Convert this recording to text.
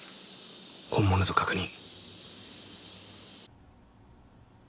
本物と確認。